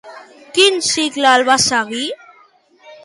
Quin cicle el va seguir?